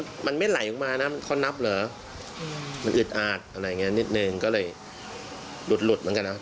มันฟิมมันไม่ไหลออกมานะมันข้อนับเหรอมันอึดอาดอะไรอย่างนี้นิดหนึ่งก็เลยหลุดเหมือนกันนะ